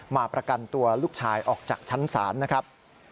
ประกันตัวลูกชายออกจากชั้นศาลนะครับ